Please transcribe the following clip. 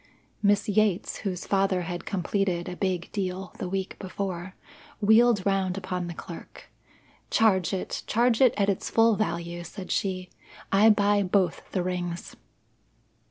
Miss Yates, whose father had completed a big "deal" the week before, wheeled round upon the clerk. "Charge it! charge it at its full value," said she. "I buy both the rings."